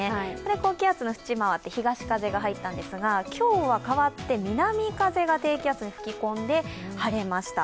高気圧の縁を回って東風が入ったんですが今日は変わって南風が低気圧に吹き込んで晴れました。